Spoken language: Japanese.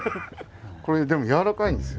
これでも軟らかいんですよ。